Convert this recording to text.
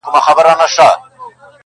چې صاحبه ته لنډغري کوه